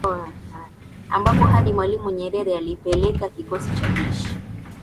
ambapo hadi Mwalimu Nyerere alipeleka kikosi cha jeshi